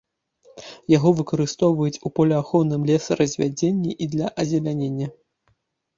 Яго выкарыстоўваюць у полеахоўным лесаразвядзенні і для азелянення.